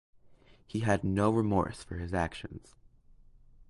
He had no remorse for his actions.